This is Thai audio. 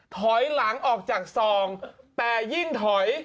ถอยหลังออกจากซองแต่ยิ่งถอย